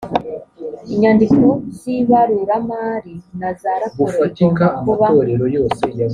inyandiko z ibaruramari na za raporo bigomba kuba